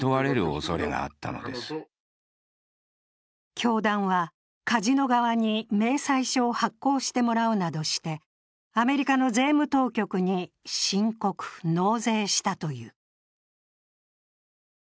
教団は、カジノ側に明細書を発行してもらうなどしてアメリカの税務当局に申告、納税したという。